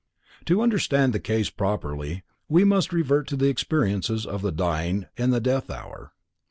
To understand the case properly we must revert to the experiences of the dying in the death hour.